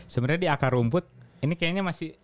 sebenernya di akar rumput ini kayaknya masih